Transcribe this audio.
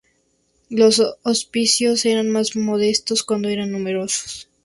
Los hospicios eran más modestos cuando eran numerosos.